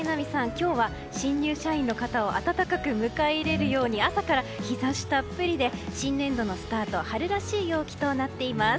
今日は新入社員の方を温かく迎え入れるように朝から陽射したっぷりで新年度のスタートは春らしい陽気となっています。